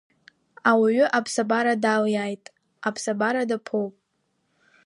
Ауаҩы аԥсабара далиааит, аԥсабара даԥоуп.